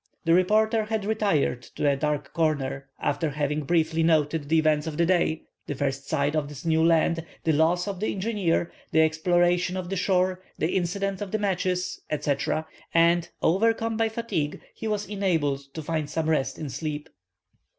The reporter had retired to a dark corner, after having briefly noted the events of the day—the first sight of this new land, the loss of the engineer, the exploration of the shore, the incidents of the matches, etc.; and, overcome by fatigue, he was enabled to find some rest in sleep.